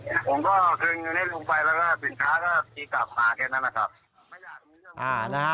ผมก็คืนเงินให้ลุงไปแล้วก็สินค้าก็ตีกลับมาแค่นั้นนะครับ